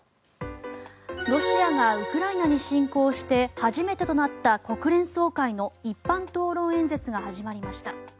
ロシアがウクライナに侵攻して初めてとなった国連総会の一般討論演説が始まりました。